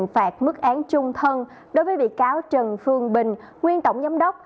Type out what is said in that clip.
phun hình phạt mức án chung thân đối với bị cáo trần phương bình nguyên tổng giám đốc